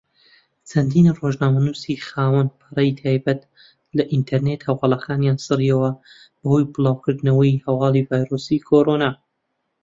چەندین ڕۆژنامەنووسی خاوەن پەڕەی تایبەت لە ئینتەرنێت هەواڵەکانیان سڕیەوە بەهۆی بڵاوکردنەوەی هەواڵی ڤایرۆسی کۆڕۆنا.